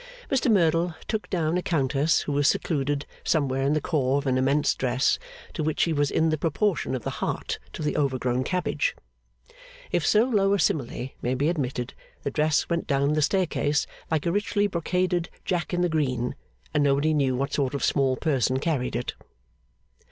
Mr Merdle took down a countess who was secluded somewhere in the core of an immense dress, to which she was in the proportion of the heart to the overgrown cabbage. If so low a simile may be admitted, the dress went down the staircase like a richly brocaded Jack in the Green, and nobody knew what sort of small person carried it.